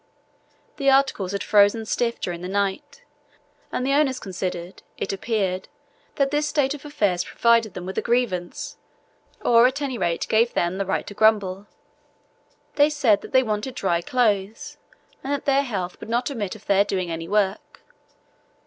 The articles had frozen stiff during the night, and the owners considered, it appeared, that this state of affairs provided them with a grievance, or at any rate gave them the right to grumble. They said they wanted dry clothes and that their health would not admit of their doing any work.